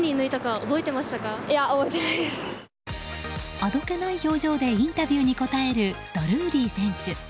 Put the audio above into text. あどけない表情でインタビューに答えるドルーリー選手。